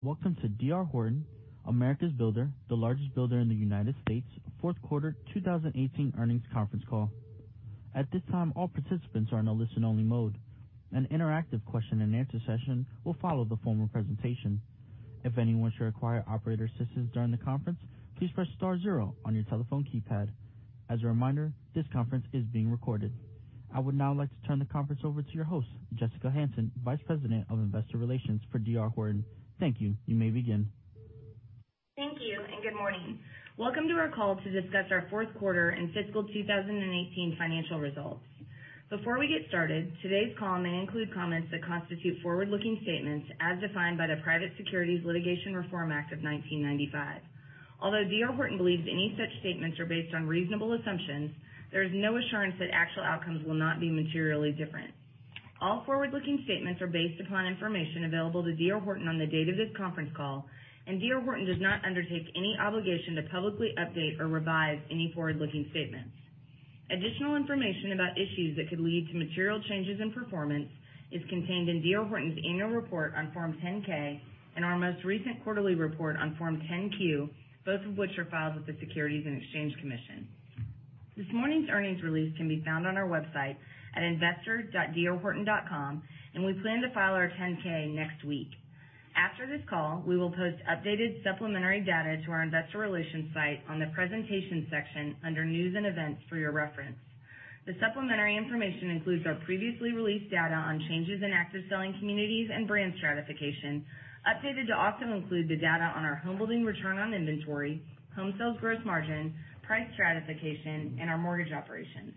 Welcome to D.R. Horton, America's builder, the largest builder in the United States, fourth quarter 2018 earnings conference call. At this time, all participants are in a listen-only mode. An interactive question and answer session will follow the formal presentation. If anyone should require operator assistance during the conference, please press star zero on your telephone keypad. As a reminder, this conference is being recorded. I now like to turn the conference over to your host, Jessica Hansen, Vice President of Investor Relations for D.R. Horton. Thank you. You may begin. Thank you, good morning. Welcome to our call to discuss our fourth quarter and fiscal 2018 financial results. Before we get started, today's call may include comments that constitute forward-looking statements as defined by the Private Securities Litigation Refo rm Act of 1995. Although D.R. Horton believes any such statements are based on reasonable assumptions, there is no assurance that actual outcomes will not be materially different. All forward-looking statements are based upon information available to D.R. Horton on the date of this conference call, and D.R. Horton does not undertake any obligation to publicly update or revise any forward-looking statements. Additional information about issues that could lead to material changes in performance is contained in D.R. Horton's annual report on Form 10-K and our most recent quarterly report on Form 10-Q, both of which are filed with the Securities and Exchange Commission. This morning's earnings release can be found on our website at investor.drhorton.com, and we plan to file our 10-K next week. After this call, we will post updated supplementary data to our investor relations site on the presentations section under news and events for your reference. The supplementary information includes our previously released data on changes in active selling communities and brand stratification, updated to also include the data on our homebuilding return on inventory, home sales gross margin, price stratification, and our mortgage operations.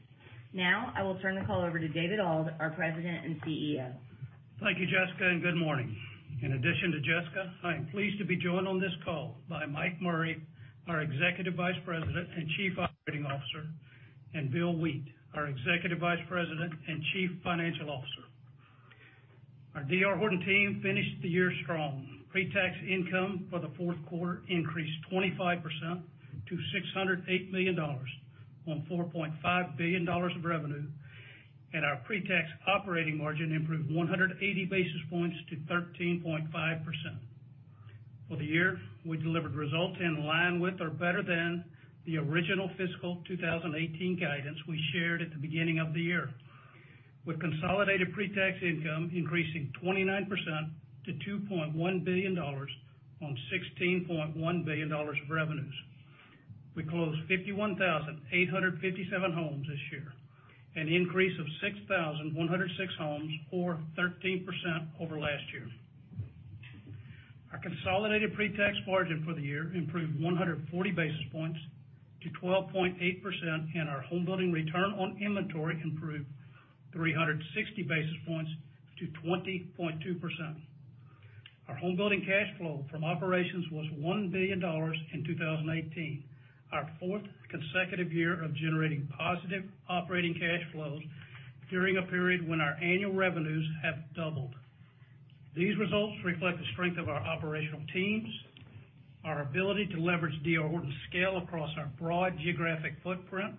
Now, I will turn the call over to David Auld, our President and CEO. Thank you, Jessica, good morning. In addition to Jessica, I am pleased to be joined on this call by Mike Murray, our Executive Vice President and Chief Operating Officer, and Bill Wheat, our Executive Vice President and Chief Financial Officer. Our D.R. Horton team finished the year strong. Pre-tax income for the fourth quarter increased 25% to $608 million on $4.5 billion of revenue, and our pre-tax operating margin improved 180 basis points to 13.5%. For the year, we delivered results in line with or better than the original fiscal 2018 guidance we shared at the beginning of the year, with consolidated pre-tax income increasing 29% to $2.1 billion on $16.1 billion of revenues. We closed 51,857 homes this year, an increase of 6,106 homes or 13% over last year. Our consolidated pre-tax margin for the year improved 140 basis points to 12.8%, and our homebuilding return on inventory improved 360 basis points to 20.2%. Our homebuilding cash flow from operations was $1 billion in 2018, our fourth consecutive year of generating positive operating cash flows during a period when our annual revenues have doubled. These results reflect the strength of our operational teams, our ability to leverage D.R. Horton's scale across our broad geographic footprint,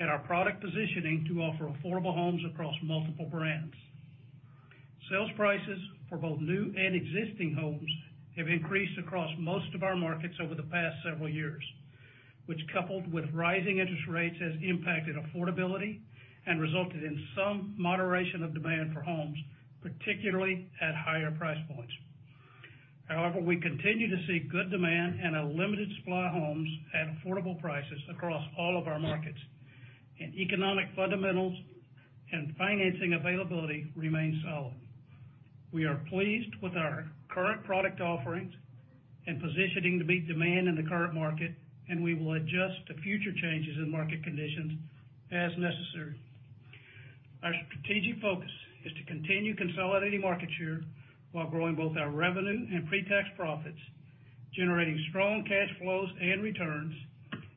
and our product positioning to offer affordable homes across multiple brands. Sales prices for both new and existing homes have increased across most of our markets over the past several years, which coupled with rising interest rates, has impacted affordability and resulted in some moderation of demand for homes, particularly at higher price points. However, we continue to see good demand and a limited supply of homes at affordable prices across all of our markets, and economic fundamentals and financing availability remain solid. We are pleased with our current product offerings and positioning to meet demand in the current market, and we will adjust to future changes in market conditions as necessary. Our strategic focus is to continue consolidating market share while growing both our revenue and pre-tax profits, generating strong cash flows and returns,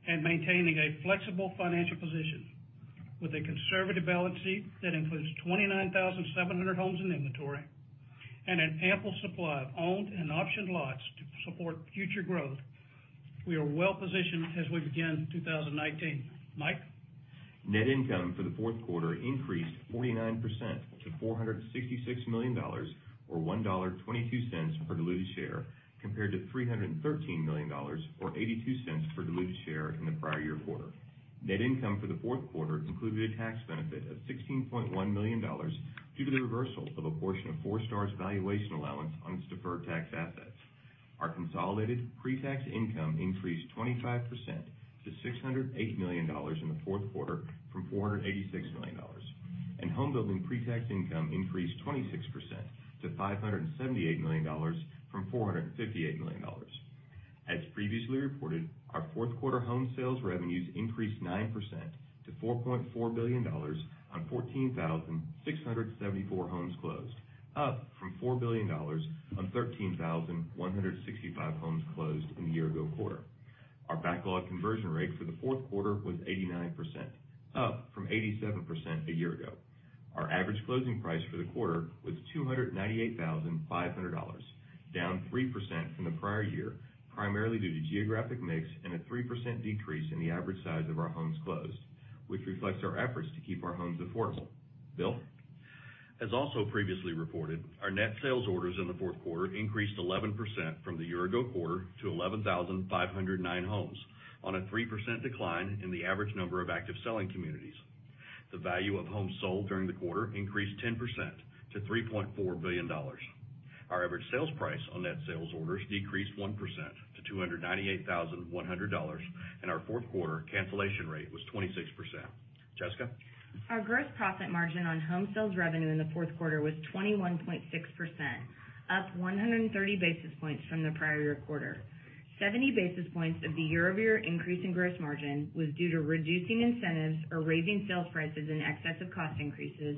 and maintaining a flexible financial position. With a conservative balance sheet that includes 29,700 homes in inventory and an ample supply of owned and optioned lots to support future growth, we are well-positioned as we begin 2019. Mike? Net income for the fourth quarter increased 49% to $466 million, or $1.22 per diluted share, compared to $313 million or $0.82 per diluted share in the prior year quarter. Net income for the fourth quarter included a tax benefit of $16.1 million due to the reversal of a portion of Forestar's valuation allowance on its deferred tax assets. Our consolidated pre-tax income increased 25% to $608 million in the fourth quarter from $486 million, and homebuilding pre-tax income increased 26% to $578 million from $458 million. As previously reported, our fourth quarter home sales revenues increased 9% to $4.4 billion on 14,674 homes closed, up from $4 billion on 13,165 homes closed in the year-ago quarter. Our backlog conversion rate for the fourth quarter was 89%, up from 87% a year ago. Our average closing price for the quarter was $298,500, down 3% prior year, primarily due to geographic mix and a 3% decrease in the average size of our homes closed, which reflects our efforts to keep our homes affordable. Bill? As also previously reported, our net sales orders in the fourth quarter increased 11% from the year-ago quarter to 11,509 homes on a 3% decline in the average number of active selling communities. The value of homes sold during the quarter increased 10% to $3.4 billion. Our average sales price on net sales orders decreased 1% to $298,100, and our fourth quarter cancellation rate was 26%. Jessica? Our gross profit margin on home sales revenue in the fourth quarter was 21.6%, up 130 basis points from the prior year quarter. 70 basis points of the year-over-year increase in gross margin was due to reducing incentives or raising sales prices in excess of cost increases,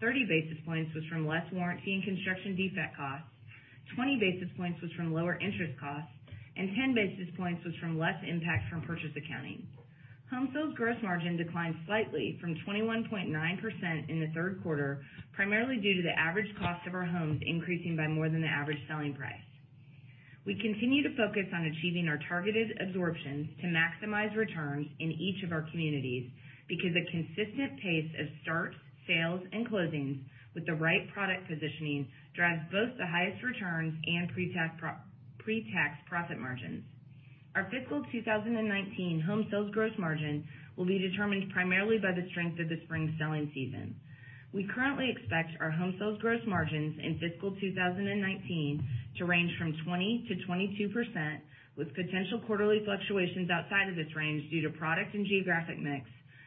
30 basis points was from less warranty and construction defect costs, 20 basis points was from lower interest costs, and 10 basis points was from less impact from purchase accounting. Home sales gross margin declined slightly from 21.9% in the third quarter, primarily due to the average cost of our homes increasing by more than the average selling price. We continue to focus on achieving our targeted absorption to maximize returns in each of our communities because a consistent pace of starts, sales, and closings with the right product positioning drives both the highest returns and pre-tax profit margins. Our fiscal 2019 home sales gross margin will be determined primarily by the strength of the spring selling season. We currently expect our home sales gross margins in fiscal 2019 to range from 20%-22%, with potential quarterly fluctuations outside of this range due to product and geographic mix,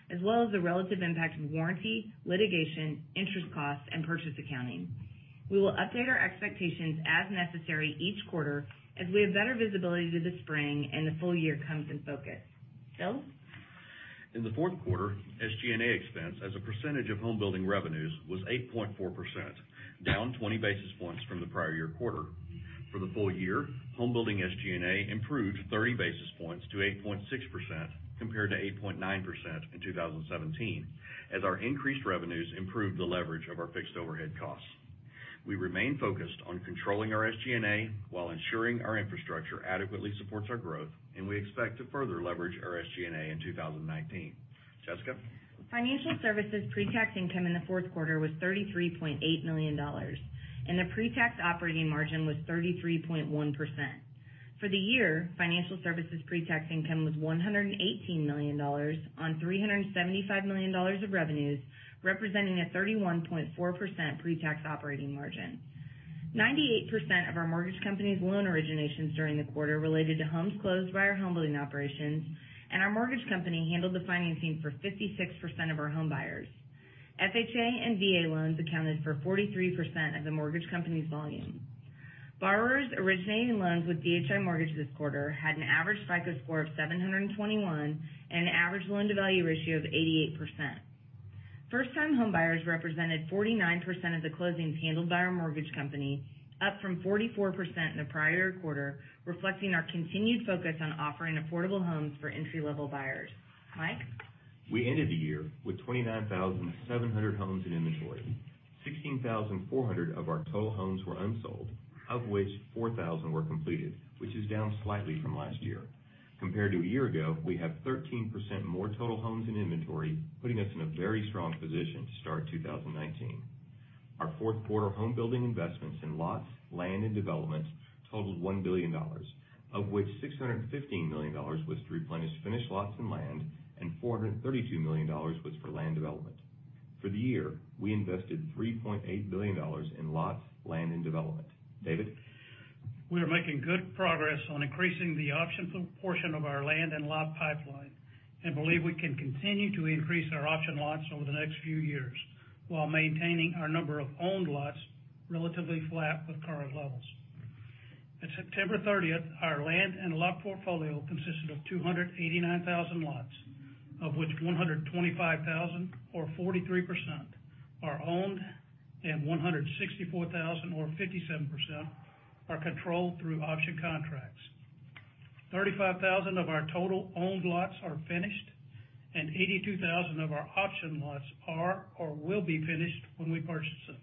as well as the relative impact of warranty, litigation, interest costs, and purchase accounting. We will update our expectations as necessary each quarter as we have better visibility to the spring and the full year comes in focus. Bill? In the fourth quarter, SG&A expense as a percentage of home building revenues was 8.4%, down 20 basis points from the prior year quarter. For the full year, home building SG&A improved 30 basis points to 8.6%, compared to 8.9% in 2017, as our increased revenues improved the leverage of our fixed overhead costs. We remain focused on controlling our SG&A while ensuring our infrastructure adequately supports our growth, and we expect to further leverage our SG&A in 2019. Jessica? Financial services pretax income in the fourth quarter was $33.8 million, and the pretax operating margin was 33.1%. For the year, financial services pretax income was $118 million on $375 million of revenues, representing a 31.4% pretax operating margin. 98% of our mortgage company's loan originations during the quarter related to homes closed by our home building operations, and our mortgage company handled the financing for 56% of our home buyers. FHA and VA loans accounted for 43% of the mortgage company's volume. Borrowers originating loans with DHI Mortgage this quarter had an average FICO score of 721 and an average loan-to-value ratio of 88%. First-time homebuyers represented 49% of the closings handled by our mortgage company, up from 44% in the prior quarter, reflecting our continued focus on offering affordable homes for entry-level buyers. Mike? We ended the year with 29,700 homes in inventory. 16,400 of our total homes were unsold, of which 4,000 were completed, which is down slightly from last year. Compared to a year ago, we have 13% more total homes in inventory, putting us in a very strong position to start 2019. Our fourth quarter home building investments in lots, land, and developments totaled $1 billion, of which $615 million was to replenish finished lots and land and $432 million was for land development. For the year, we invested $3.8 billion in lots, land, and development. David? We are making good progress on increasing the option portion of our land and lot pipeline. We believe we can continue to increase our option lots over the next few years while maintaining our number of owned lots relatively flat with current levels. At September 30th, our land and lot portfolio consisted of 289,000 lots, of which 125,000 or 43% are owned and 164,000 or 57% are controlled through option contracts. 35,000 of our total owned lots are finished, and 82,000 of our option lots are or will be finished when we purchase them.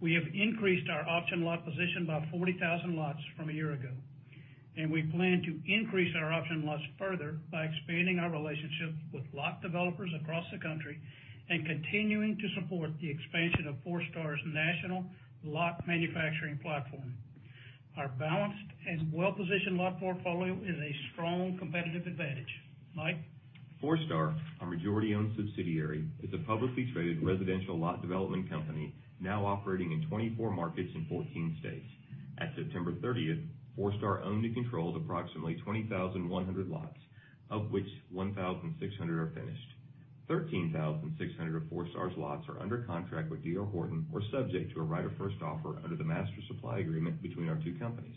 We have increased our option lot position by 40,000 lots from a year ago. We plan to increase our option lots further by expanding our relationships with lot developers across the country and continuing to support the expansion of Forestar's national lot manufacturing platform. Our balanced and well-positioned lot portfolio is a strong competitive advantage. Mike? Forestar, our majority-owned subsidiary, is a publicly traded residential lot development company now operating in 24 markets in 14 states. At September 30th, Forestar owned and controlled approximately 20,100 lots, of which 1,600 are finished. 13,600 of Forestar's lots are under contract with D.R. Horton or subject to a right of first offer under the master supply agreement between our two companies.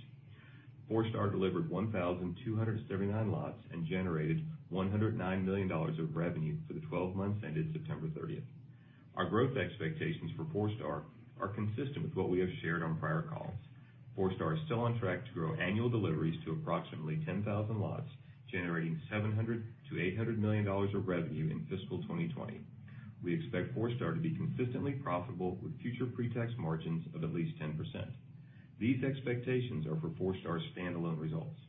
Forestar delivered 1,279 lots and generated $109 million of revenue for the 12 months ended September 30th. Our growth expectations for Forestar are consistent with what we have shared on prior calls. Forestar is still on track to grow annual deliveries to approximately 10,000 lots, generating $700 million to $800 million of revenue in fiscal 2020. We expect Forestar to be consistently profitable with future pre-tax margins of at least 10%. These expectations are for Forestar's standalone results.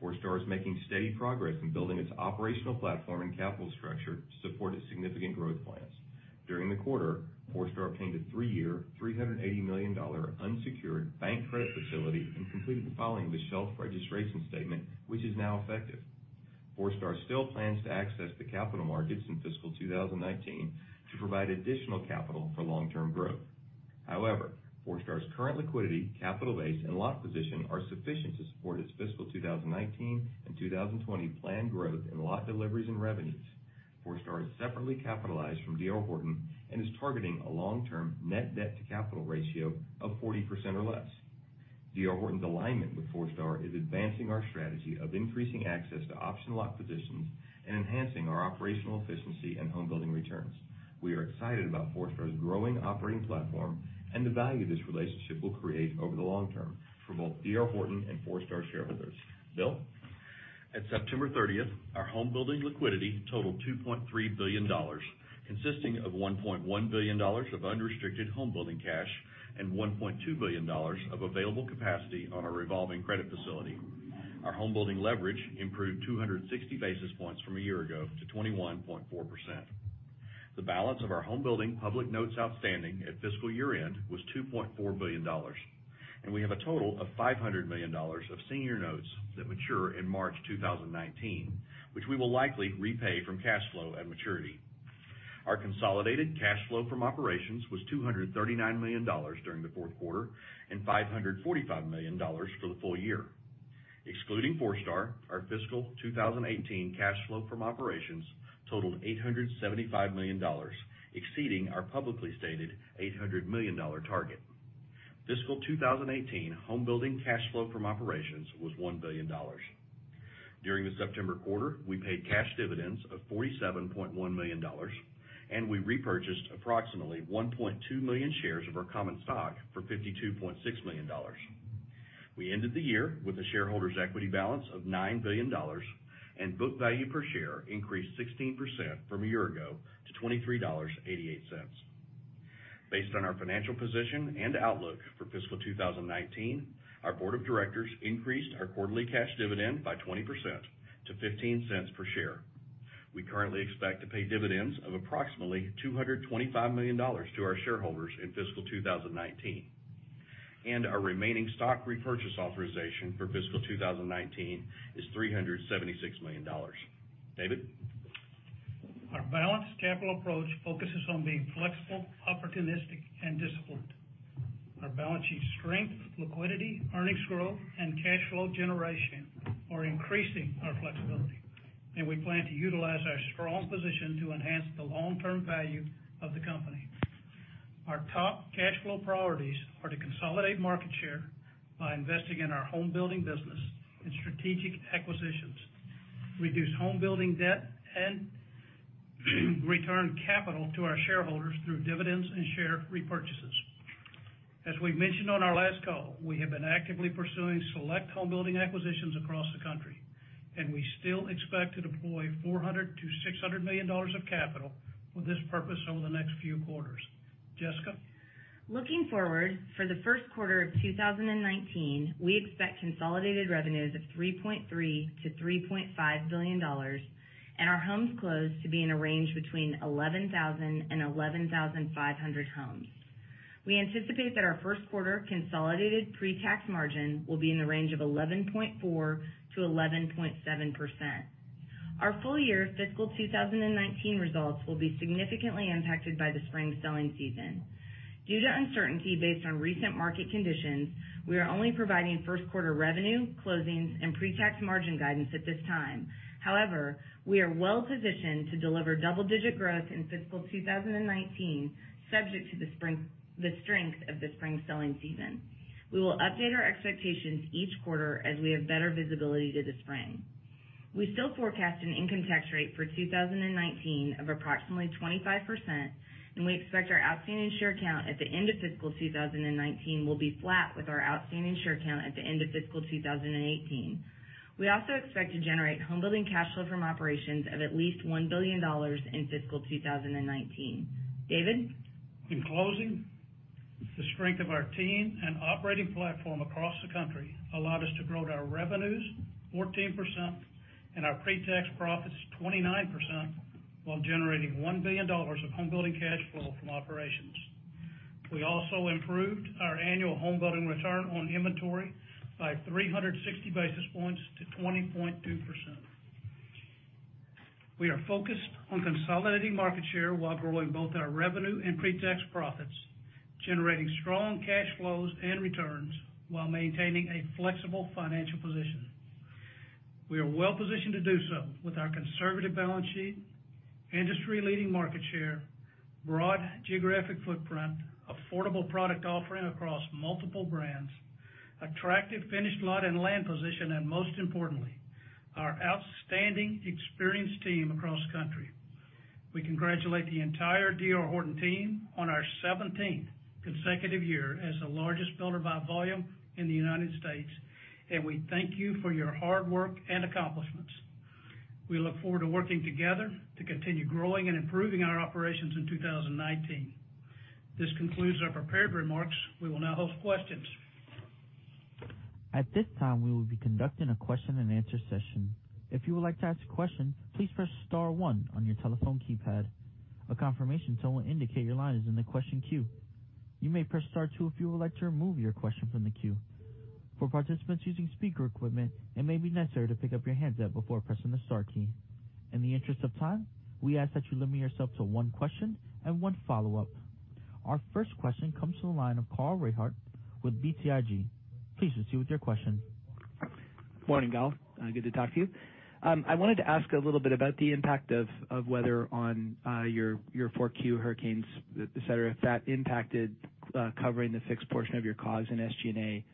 Forestar is making steady progress in building its operational platform and capital structure to support its significant growth plans. During the quarter, Forestar obtained a three-year, $380 million unsecured bank credit facility and completed the filing of a shelf registration statement, which is now effective. Forestar still plans to access the capital markets in fiscal 2019 to provide additional capital for long-term growth. However, Forestar's current liquidity, capital base, and lot position are sufficient to support its fiscal 2019 and 2020 planned growth in lot deliveries and revenues. Forestar is separately capitalized from D.R. Horton and is targeting a long-term net debt to capital ratio of 40% or less. D.R. Horton's alignment with Forestar is advancing our strategy of increasing access to optional lot positions and enhancing our operational efficiency and home building returns. We are excited about Forestar's growing operating platform and the value this relationship will create over the long term for both D.R. Horton and Forestar shareholders. Bill? At September 30th, our home building liquidity totaled $2.3 billion, consisting of $1.1 billion of unrestricted home building cash and $1.2 billion of available capacity on our revolving credit facility. Our home building leverage improved 260 basis points from a year ago to 21.4%. The balance of our home building public notes outstanding at fiscal year-end was $2.4 billion. We have a total of $500 million of senior notes that mature in March 2019, which we will likely repay from cash flow at maturity. Our consolidated cash flow from operations was $239 million during the fourth quarter, and $545 million for the full year. Excluding Forestar, our fiscal 2018 cash flow from operations totaled $875 million, exceeding our publicly stated $800 million target. Fiscal 2018 home building cash flow from operations was $1 billion. During the September quarter, we paid cash dividends of $47.1 million. We repurchased approximately 1.2 million shares of our common stock for $52.6 million. We ended the year with a shareholders' equity balance of $9 billion. Book value per share increased 16% from a year ago to $23.88. Based on our financial position and outlook for fiscal 2019, our board of directors increased our quarterly cash dividend by 20% to $0.15 per share. We currently expect to pay dividends of approximately $225 million to our shareholders in fiscal 2019. Our remaining stock repurchase authorization for fiscal 2019 is $376 million. David. Our balanced capital approach focuses on being flexible, opportunistic, and disciplined. Our balance sheet strength, liquidity, earnings growth, and cash flow generation are increasing our flexibility. We plan to utilize our strong position to enhance the long-term value of the company. Our top cash flow priorities are to consolidate market share by investing in our home building business and strategic acquisitions, reduce home building debt, and return capital to our shareholders through dividends and share repurchases. As we mentioned on our last call, we have been actively pursuing select home building acquisitions across the country. We still expect to deploy $400 million-$600 million of capital for this purpose over the next few quarters. Jessica. Looking forward, for the first quarter of 2019, we expect consolidated revenues of $3.3 billion-$3.5 billion. Our homes closed to be in a range between 11,000 and 11,500 homes. We anticipate that our first quarter consolidated pre-tax margin will be in the range of 11.4%-11.7%. Our full year fiscal 2019 results will be significantly impacted by the spring selling season. Due to uncertainty based on recent market conditions, we are only providing first quarter revenue, closings, and pre-tax margin guidance at this time. We are well-positioned to deliver double-digit growth in fiscal 2019, subject to the strength of the spring selling season. We will update our expectations each quarter as we have better visibility to the spring. We still forecast an income tax rate for 2019 of approximately 25%. We expect our outstanding share count at the end of fiscal 2019 will be flat with our outstanding share count at the end of fiscal 2018. We also expect to generate home building cash flow from operations of at least $1 billion in fiscal 2019. David. In closing, the strength of our team and operating platform across the country allowed us to grow our revenues 14% and our pre-tax profits 29%, while generating $1 billion of home building cash flow from operations. We also improved our annual home building return on inventory by 360 basis points to 20.2%. We are focused on consolidating market share while growing both our revenue and pre-tax profits, generating strong cash flows and returns, while maintaining a flexible financial position. We are well-positioned to do so with our conservative balance sheet, industry-leading market share, broad geographic footprint, affordable product offering across multiple brands, attractive finished lot and land position, and most importantly, our outstanding experienced team across the country. We congratulate the entire D.R. Horton team on our 17th consecutive year as the largest builder by volume in the United States. We thank you for your hard work and accomplishments. We look forward to working together to continue growing and improving our operations in 2019. This concludes our prepared remarks. We will now host questions. At this time, we will be conducting a question and answer session. If you would like to ask a question, please press star one on your telephone keypad. A confirmation tone will indicate your line is in the question queue. You may press star two if you would like to remove your question from the queue. For participants using speaker equipment, it may be necessary to pick up your handset before pressing the star key. In the interest of time, we ask that you limit yourself to one question and one follow-up. Our first question comes from the line of Carl Reichardt with BTIG. Please proceed with your question. Morning, all. Good to talk to you. I wanted to ask a little bit about the impact of weather on your 4Q hurricanes, et cetera, if that impacted covering the fixed portion of your COGS and SG&A. Yes.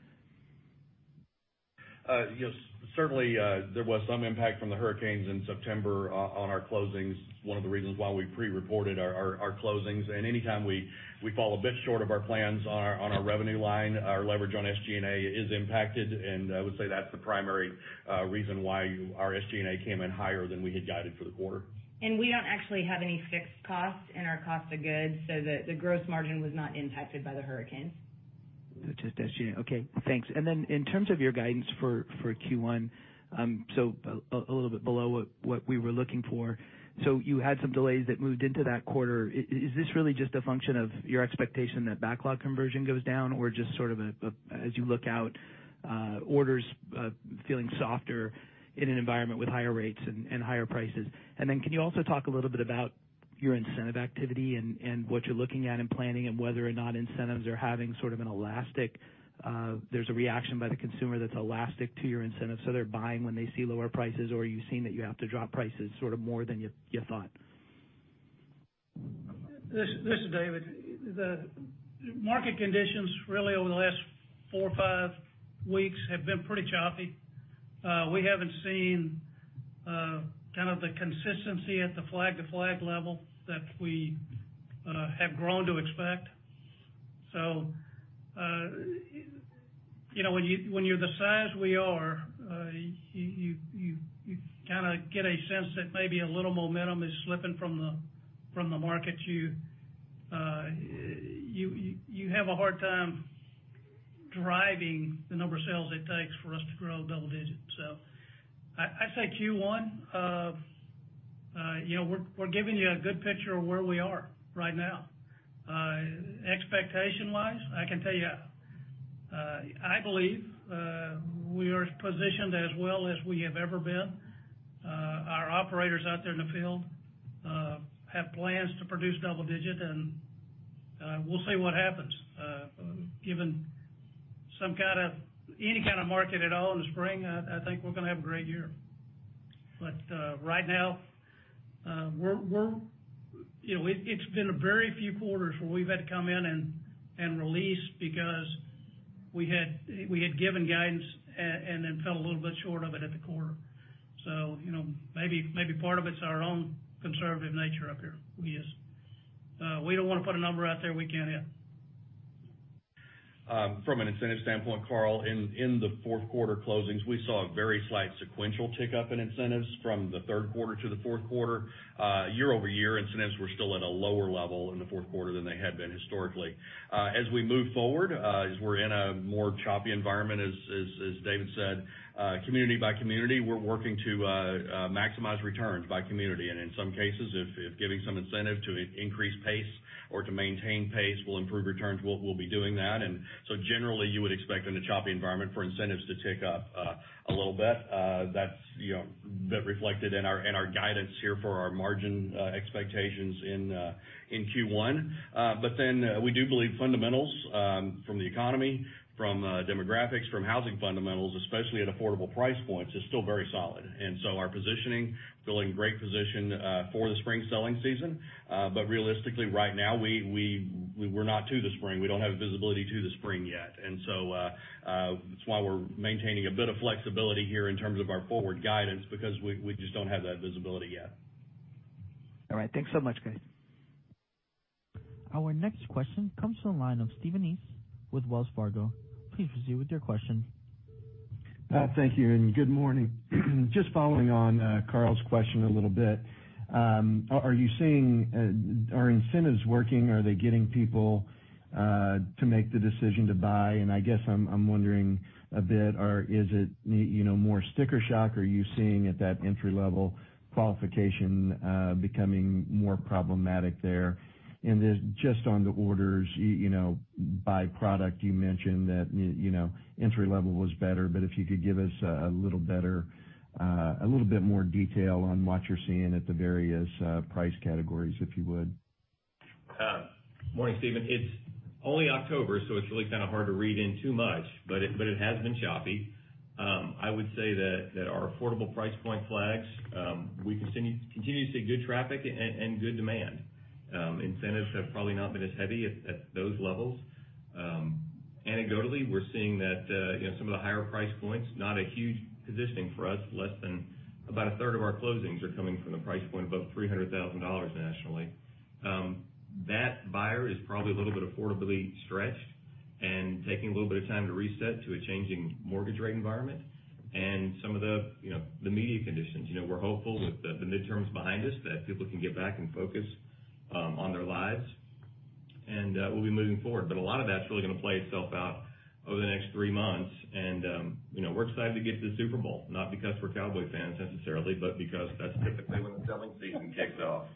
Certainly, there was some impact from the hurricanes in September on our closings. One of the reasons why we pre-reported our closings. Anytime we fall a bit short of our plans on our revenue line, our leverage on SG&A is impacted, and I would say that's the primary reason why our SG&A came in higher than we had guided for the quarter. We don't actually have any fixed costs in our cost of goods, so the gross margin was not impacted by the hurricanes. Just SG&A. Okay, thanks. In terms of your guidance for Q1, a little bit below what we were looking for. You had some delays that moved into that quarter. Is this really just a function of your expectation that backlog conversion goes down? Just sort of as you look out, orders feeling softer in an environment with higher rates and higher prices? Can you also talk a little bit about your incentive activity and what you're looking at in planning and whether or not incentives are having sort of an elastic, there's a reaction by the consumer that's elastic to your incentives, so they're buying when they see lower prices, or are you seeing that you have to drop prices sort of more than you thought? This is David. The market conditions really over the last four or five weeks have been pretty choppy. We haven't seen kind of the consistency at the flag-to-flag level that we have grown to expect. When you're the size we are, you kind of get a sense that maybe a little momentum is slipping from the market. You have a hard time driving the number of sales it takes for us to grow double digits. I'd say Q1, we're giving you a good picture of where we are right now. Expectation-wise, I can tell you, I believe, we are as positioned as well as we have ever been. Our operators out there in the field have plans to produce double digits, we'll see what happens. Given any kind of market at all in the spring, I think we're going to have a great year. Right now, it's been a very few quarters where we've had to come in and release because we had given guidance and then fell a little bit short of it at the quarter. Maybe part of it's our own conservative nature up here. We don't want to put a number out there we can't hit. From an incentive standpoint, Carl, in the fourth quarter closings, we saw a very slight sequential tick-up in incentives from the third quarter to the fourth quarter. Year-over-year, incentives were still at a lower level in the fourth quarter than they had been historically. As we move forward, as we're in a more choppy environment, as David said, community by community, we're working to maximize returns by community. In some cases, if giving some incentive to increase pace or to maintain pace will improve returns, we'll be doing that. Generally, you would expect in a choppy environment for incentives to tick up a little bit. That reflected in our guidance here for our margin expectations in Q1. We do believe fundamentals from the economy, from demographics, from housing fundamentals, especially at affordable price points, is still very solid. Our positioning, feeling great position for the spring selling season. Realistically, right now, we're not to the spring. We don't have visibility to the spring yet. That's why we're maintaining a bit of flexibility here in terms of our forward guidance, because we just don't have that visibility yet. All right. Thanks so much, guys. Our next question comes from the line of Stephen East with Wells Fargo. Please proceed with your question. Thank you. Good morning. Just following on Carl's question a little bit. Are incentives working? Are they getting people to make the decision to buy? I guess I'm wondering a bit, is it more sticker shock? Are you seeing at that entry level qualification becoming more problematic there? Just on the orders by product, you mentioned that entry level was better, but if you could give us a little bit more detail on what you're seeing at the various price categories, if you would. Morning, Stephen. It's only October, so it's really kind of hard to read in too much, it has been choppy. I would say that our affordable price point flags, we continue to see good traffic and good demand. Incentives have probably not been as heavy at those levels. Anecdotally, we're seeing that some of the higher price points, not a huge positioning for us, less than about a third of our closings are coming from the price point above $300,000 nationally. That buyer is probably a little bit affordably stretched Taking a little bit of time to reset to a changing mortgage rate environment and some of the media conditions. We're hopeful with the midterms behind us that people can get back and focus on their lives, we'll be moving forward. A lot of that's really going to play itself out over the next three months, we're excited to get to the Super Bowl, not because we're Cowboy fans necessarily, but because that's typically when the selling season kicks off.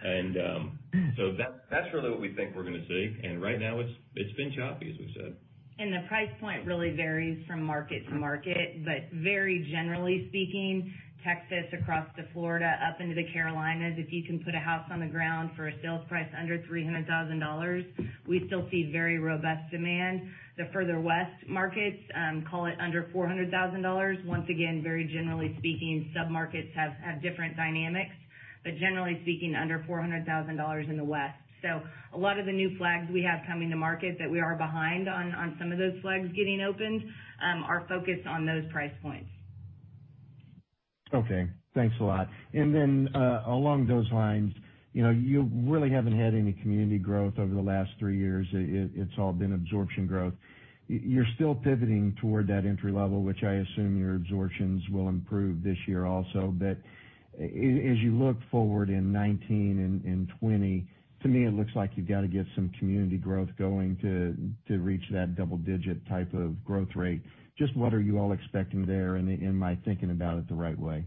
That's really what we think we're going to see. Right now, it's been choppy, as we've said. The price point really varies from market to market, but very generally speaking, Texas across to Florida, up into the Carolinas, if you can put a house on the ground for a sales price under $300,000, we still see very robust demand. The further west markets, call it under $400,000. Once again, very generally speaking, sub-markets have different dynamics. Generally speaking, under $400,000 in the West. A lot of the new flags we have coming to market that we are behind on some of those flags getting opened are focused on those price points. Okay, thanks a lot. Along those lines, you really haven't had any community growth over the last three years. It's all been absorption growth. You're still pivoting toward that entry level, which I assume your absorptions will improve this year also. As you look forward in 2019 and 2020, to me, it looks like you've got to get some community growth going to reach that double-digit type of growth rate. Just what are you all expecting there? Am I thinking about it the right way?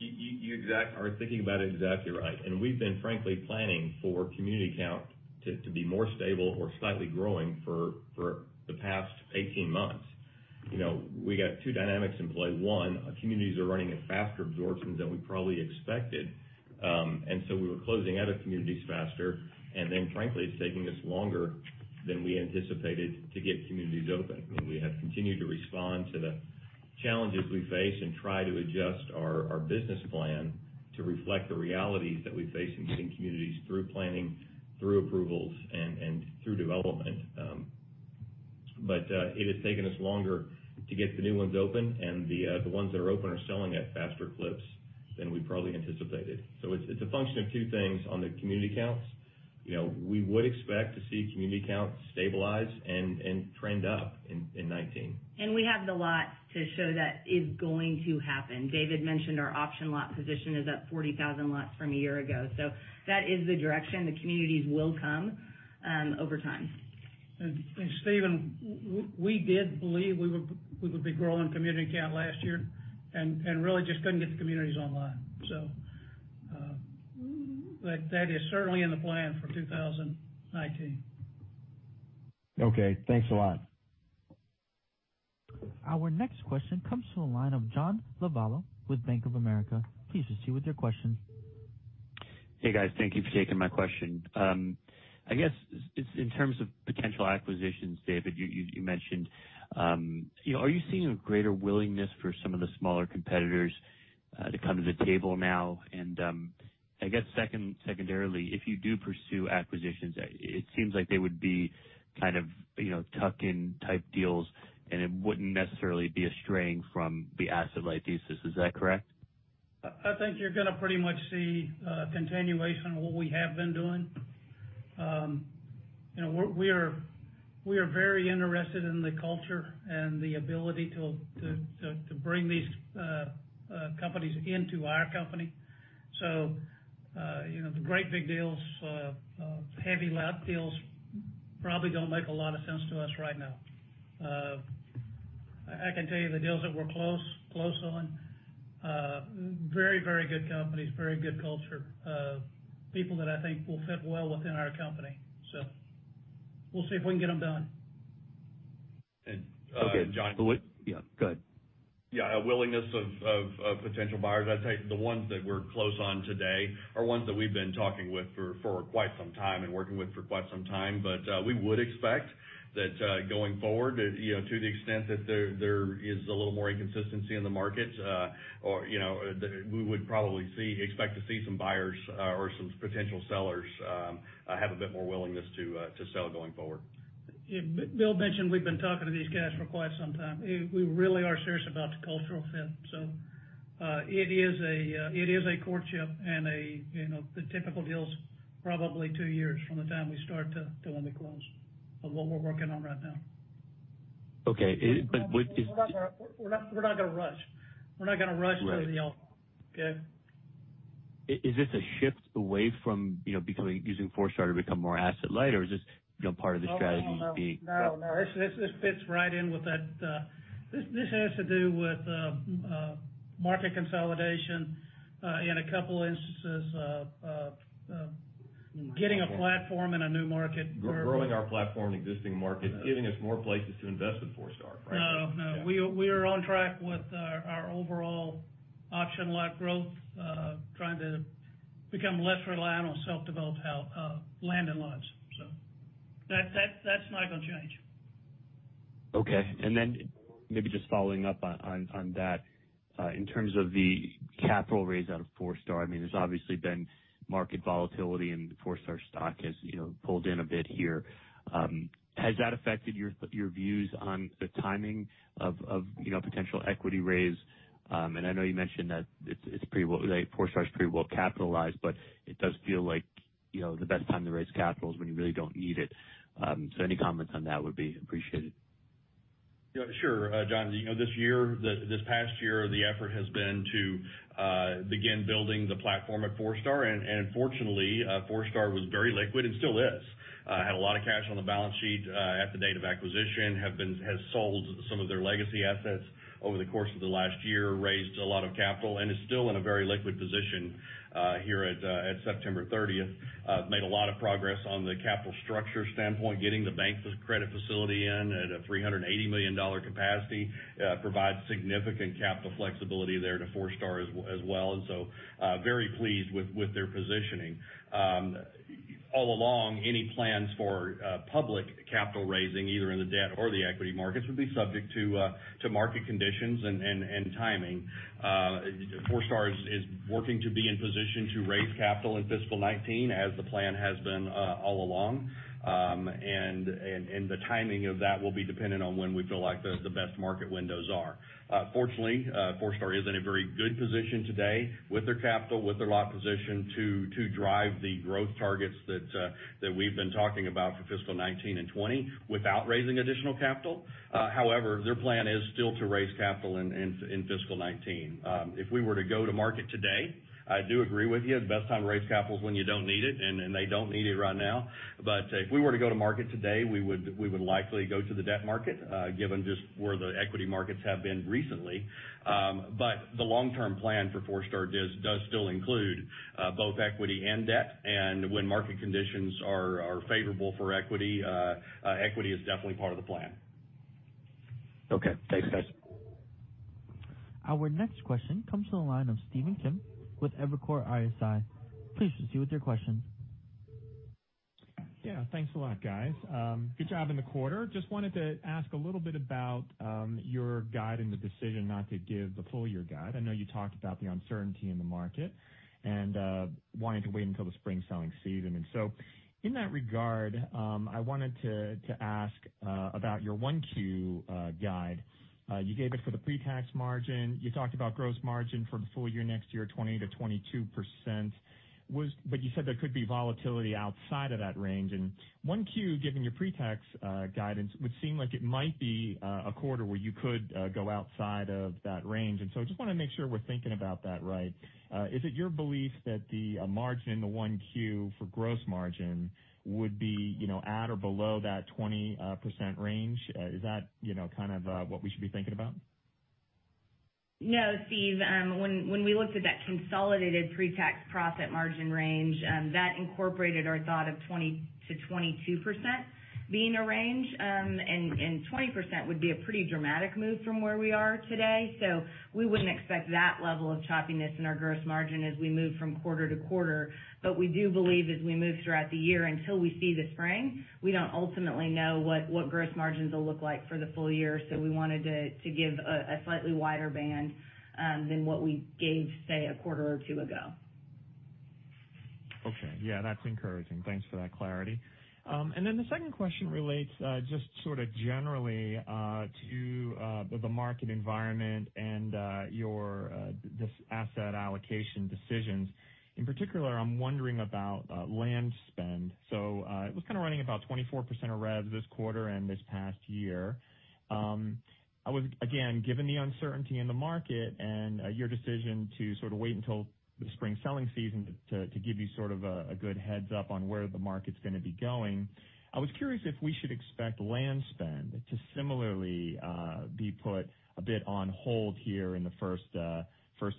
You are thinking about it exactly right. We've been frankly planning for community count to be more stable or slightly growing for the past 18 months. We got two dynamics in play. One, our communities are running at faster absorptions than we probably expected. We were closing out of communities faster, and then frankly, it's taking us longer than we anticipated to get communities open. We have continued to respond to the challenges we face and try to adjust our business plan to reflect the realities that we face in getting communities through planning, through approvals, and through development. It has taken us longer to get the new ones open, and the ones that are open are selling at faster clips than we probably anticipated. It's a function of two things on the community counts. We would expect to see community counts stabilize and trend up in 2019. We have the lots to show that is going to happen. David mentioned our option lot position is up 40,000 lots from a year ago. That is the direction the communities will come over time. Stephen, we did believe we would be growing community count last year, and really just couldn't get the communities online. That is certainly in the plan for 2019. Okay, thanks a lot. Our next question comes from the line of John Lovallo with Bank of America. Please proceed with your question. Hey, guys. Thank you for taking my question. I guess, in terms of potential acquisitions, David, you mentioned, are you seeing a greater willingness for some of the smaller competitors to come to the table now? I guess secondarily, if you do pursue acquisitions, it seems like they would be tuck-in type deals, and it wouldn't necessarily be a straying from the asset-light thesis. Is that correct? I think you're going to pretty much see a continuation of what we have been doing. We are very interested in the culture and the ability to bring these companies into our company. The great big deals, heavy lift deals probably don't make a lot of sense to us right now. I can tell you the deals that we're close on, very good companies, very good culture. People that I think will fit well within our company. We'll see if we can get them done. Okay. John- Yeah, go ahead. A willingness of potential buyers. I'd say the ones that we're close on today are ones that we've been talking with for quite some time and working with for quite some time. We would expect that going forward, to the extent that there is a little more inconsistency in the market, we would probably expect to see some buyers or some potential sellers have a bit more willingness to sell going forward. Bill mentioned we've been talking to these guys for quite some time. We really are serious about the cultural fit. It is a courtship and the typical deal is probably two years from the time we start to when we close of what we're working on right now. Okay. We're not going to rush. We're not going to rush any of y'all. Okay? Is this a shift away from using Forestar to become more asset light, or is this part of the strategy being? Oh, no. This fits right in with that. This has to do with market consolidation in a couple instances of getting a platform in a new market, or. Growing our platform in existing markets, giving us more places to invest in Forestar, right? No. We are on track with our overall option lot growth, trying to become less reliant on self-developed land and lots. That's not going to change. Okay, maybe just following up on that. In terms of the capital raise out of Forestar, there's obviously been market volatility, and the Forestar stock has pulled in a bit here. Has that affected your views on the timing of potential equity raise? I know you mentioned that Forestar is pretty well capitalized, but it does feel like the best time to raise capital is when you really don't need it. Any comments on that would be appreciated. Yeah, sure. John, this past year, the effort has been to begin building the platform at Forestar, fortunately, Forestar was very liquid and still is. Had a lot of cash on the balance sheet at the date of acquisition, has sold some of their legacy assets over the course of the last year, raised a lot of capital, and is still in a very liquid position here at September 30th. Made a lot of progress on the capital structure standpoint, getting the bank's credit facility in at a $380 million capacity provides significant capital flexibility there to Forestar as well. Very pleased with their positioning. All along, any plans for public capital raising, either in the debt or the equity markets, would be subject to market conditions and timing. Forestar is working to be in position to raise capital in fiscal 2019 as the plan has been all along. The timing of that will be dependent on when we feel like the best market windows are. Fortunately, Forestar is in a very good position today with their capital, with their lot position to drive the growth targets that we've been talking about for fiscal 2019 and 2020 without raising additional capital. However, their plan is still to raise capital in fiscal 2019. If we were to go to market today, I do agree with you, the best time to raise capital is when you don't need it, and they don't need it right now. If we were to go to market today, we would likely go to the debt market, given just where the equity markets have been recently. The long-term plan for Forestar does still include both equity and debt. When market conditions are favorable for equity is definitely part of the plan. Okay. Thanks, guys. Our next question comes from the line of Stephen Kim with Evercore ISI. Please proceed with your questions. Yeah, thanks a lot, guys. Good job in the quarter. Just wanted to ask a little bit about your guide and the decision not to give the full year guide. I know you talked about the uncertainty in the market and wanting to wait until the spring selling season. In that regard, I wanted to ask about your 1Q guide. You gave it for the pre-tax margin. You talked about gross margin for the full year next year, 20%-22%, but you said there could be volatility outside of that range and 1Q, given your pre-tax guidance, would seem like it might be a quarter where you could go outside of that range. I just want to make sure we're thinking about that right. Is it your belief that the margin, the 1Q for gross margin would be at or below that 20% range? Is that what we should be thinking about? No, Stephen. When we looked at that consolidated pre-tax profit margin range, that incorporated our thought of 20%-22% being a range, and 20% would be a pretty dramatic move from where we are today. We wouldn't expect that level of choppiness in our gross margin as we move from quarter to quarter. We do believe as we move throughout the year until we see the spring, we don't ultimately know what gross margins will look like for the full year. We wanted to give a slightly wider band than what we gave, say, a quarter or two ago. Okay. Yeah, that's encouraging. Thanks for that clarity. The second question relates just sort of generally to the market environment and your asset allocation decisions. In particular, I'm wondering about land spend. It was kind of running about 24% of rev this quarter and this past year. Again, given the uncertainty in the market and your decision to sort of wait until the spring selling season to give you sort of a good heads up on where the market's going to be going, I was curious if we should expect land spend to similarly be put a bit on hold here in the first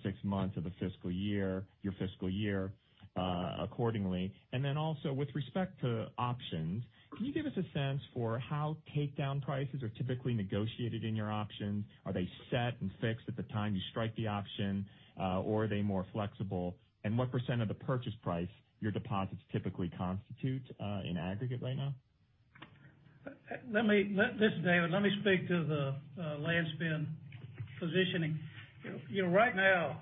six months of the fiscal year, your fiscal year, accordingly. Also, with respect to options, can you give us a sense for how takedown prices are typically negotiated in your options? Are they set and fixed at the time you strike the option? Or are they more flexible? What percent of the purchase price your deposits typically constitute in aggregate right now? This is David. Let me speak to the land spend positioning. Right now,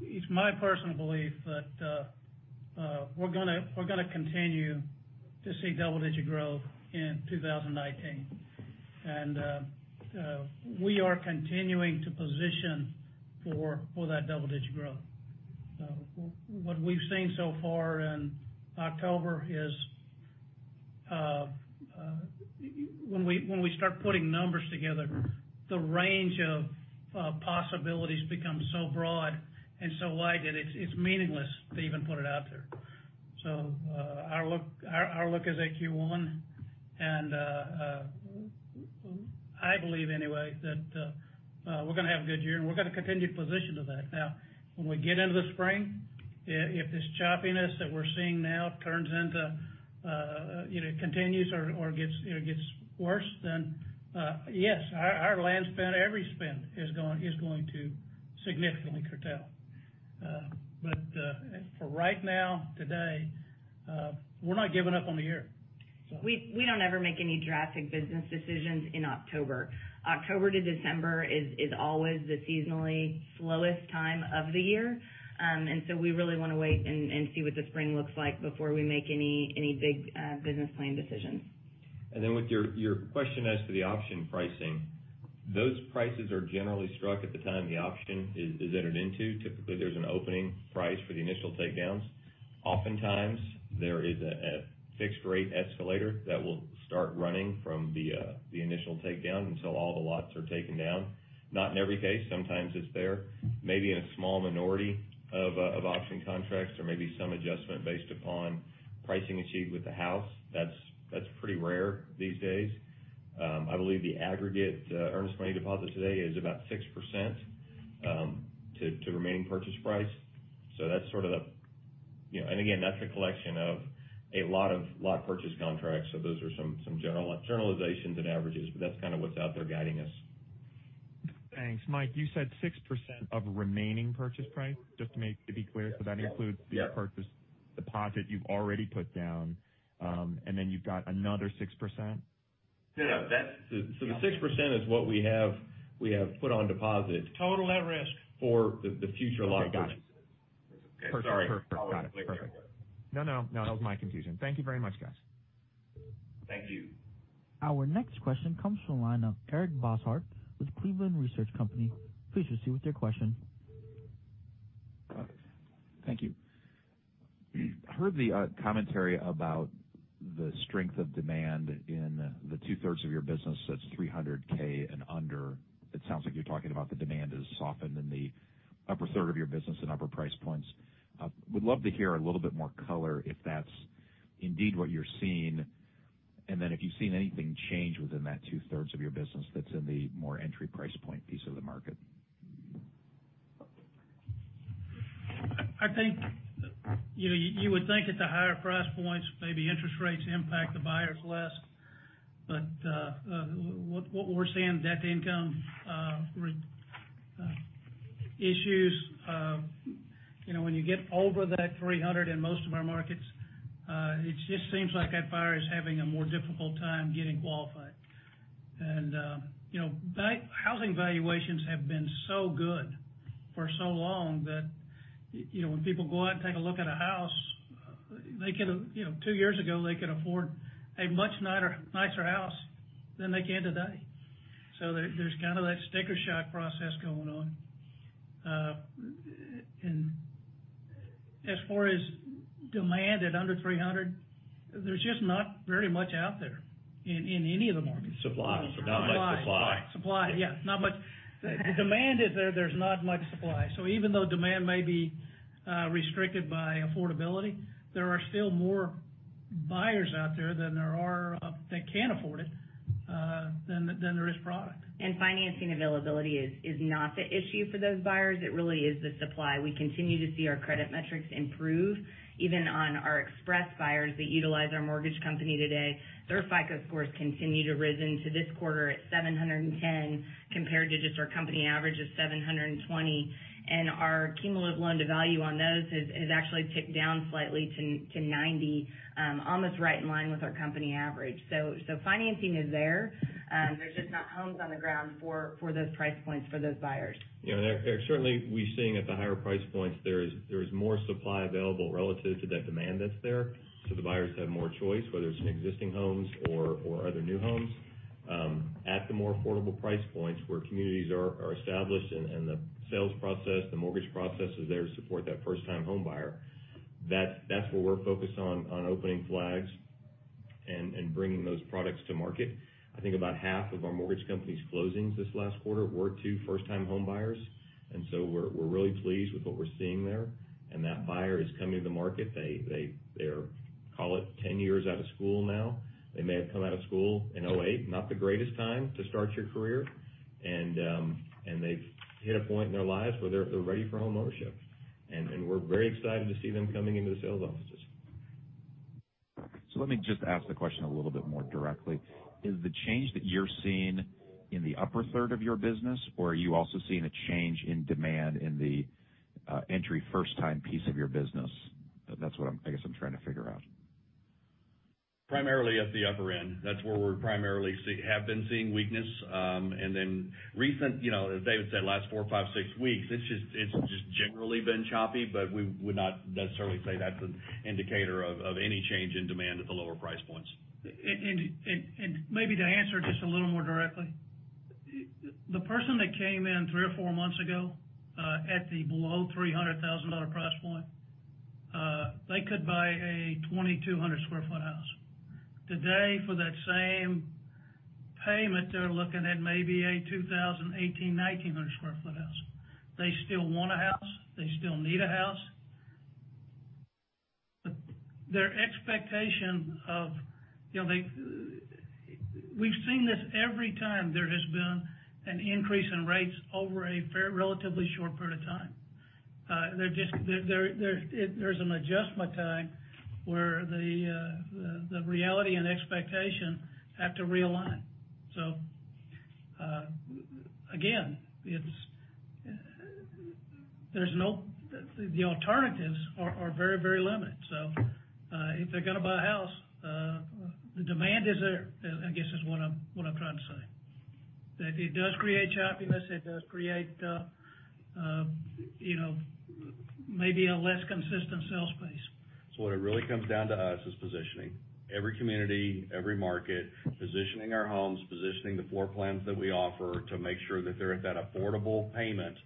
it's my personal belief that we're going to continue to see double-digit growth in 2019. We are continuing to position for that double-digit growth. What we've seen so far in October is when we start putting numbers together, the range of possibilities become so broad and so wide that it's meaningless to even put it out there. Our look is at Q1, and I believe anyway, that we're going to have a good year, and we're going to continue to position to that. When we get into the spring, if this choppiness that we're seeing now continues or gets worse, then yes, our land spend, every spend is going to significantly curtail. For right now, today, we're not giving up on the year. We don't ever make any drastic business decisions in October. October to December is always the seasonally slowest time of the year. We really want to wait and see what the spring looks like before we make any big business plan decisions. With your question as to the option pricing, those prices are generally struck at the time the option is entered into. Typically, there's an opening price for the initial takedowns. Oftentimes, there is a fixed rate escalator that will start running from the initial takedown until all the lots are taken down. Not in every case. Sometimes it's there. Maybe in a small minority of option contracts, there may be some adjustment based upon pricing achieved with the house. That's pretty rare these days. I believe the aggregate earnest money deposit today is about 6% to remaining purchase price. That's a collection of a lot of lot purchase contracts, so those are some generalizations and averages, but that's kind of what's out there guiding us. Thanks. Mike, you said 6% of remaining purchase price, just to be clear. Yes. That includes the purchase deposit you've already put down, and then you've got another 6%? Yeah. The 6% is what we have put on deposit. Total at risk. For the future lot purchases. Okay, got it. Sorry. Perfect. Got it. Perfect. No, that was my confusion. Thank you very much, guys. Thank you. Our next question comes from the line of Eric Bosshard with Cleveland Research Company. Please proceed with your question. Thank you. Heard the commentary about the strength of demand in the 2/3 of your business that's $300,000 and under. It sounds like you're talking about the demand has softened in the upper third of your business and upper price points. Would love to hear a little bit more color if that's indeed what you're seeing, and then if you've seen anything change within that two-thirds of your business that's in the more entry price point piece of the market. I think you would think at the higher price points, maybe interest rates impact the buyers less. What we're seeing, debt-to-income issues, when you get over that $300,000 in most of our markets, it just seems like that buyer is having a more difficult time getting qualified. Housing valuations have been so good for so long that when people go out and take a look at a house, two years ago, they could afford a much nicer house than they can today. There's kind of that sticker shock process going on. As far as demand at under $300,000, there's just not very much out there in any of the markets. Supply. Supply. Not much supply. Supply, yeah. The demand is there. There's not much supply. Even though demand may be restricted by affordability, there are still more buyers out there that can afford it than there is product. Financing availability is not the issue for those buyers. It really is the supply. We continue to see our credit metrics improve, even on our Express buyers that utilize our mortgage company today. Their FICO scores continue to rise into this quarter at 710, compared to just our company average of 720. Our cumulative loan-to-value on those has actually ticked down slightly to 90, almost right in line with our company average. Financing is there. There's just not homes on the ground for those price points for those buyers. Certainly, we're seeing at the higher price points, there is more supply available relative to that demand that's there. The buyers have more choice, whether it's in existing homes or other new homes. At the more affordable price points, where communities are established and the sales process, the mortgage process is there to support that first-time home buyer, that's where we're focused on opening flags and bringing those products to market. I think about half of our mortgage company's closings this last quarter were to first-time home buyers, so we're really pleased with what we're seeing there. That buyer is coming to the market. They're, call it, 10 years out of school now. They may have come out of school in 2008, not the greatest time to start your career. They've hit a point in their lives where they're ready for home ownership. We're very excited to see them coming into the sales offices. Let me just ask the question a little bit more directly. Is the change that you're seeing in the upper third of your business, or are you also seeing a change in demand in the entry first-time piece of your business? That's what, I guess, I'm trying to figure out. Primarily at the upper end. That's where we primarily have been seeing weakness. Recent, as David Auld said, last four, five, six weeks, it's just generally been choppy, but we would not necessarily say that's an indicator of any change in demand at the lower price points. Maybe to answer just a little more directly, the person that came in three or four months ago, at the below $300,000 price point, they could buy a 2,200 sq ft house. Today, for that same payment, they're looking at maybe a 2,000 sq, 1,800 sq, 1,900 sq ft house. They still want a house. They still need a house. We've seen this every time there has been an increase in rates over a relatively short period of time. There's an adjustment time where the reality and expectation have to realign. Again, the alternatives are very limited. If they're going to buy a house, the demand is there, I guess, is what I'm trying to say. That it does create choppiness. It does create maybe a less consistent sales pace. What it really comes down to us, is positioning. Every community, every market, positioning our homes, positioning the floor plans that we offer to make sure that they're at that affordable payment